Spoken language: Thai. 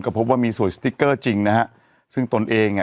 พบว่ามีสวยสติ๊กเกอร์จริงนะฮะซึ่งตนเองอ่ะ